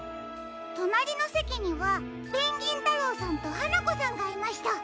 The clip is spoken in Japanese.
となりのせきにはペンギンたろうさんとはなこさんがいました。